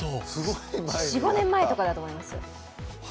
４５年前とかかと思います。